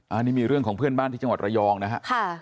อันนี้มีเรื่องของเพื่อนบ้านที่จังหวัดระยองนะฮะ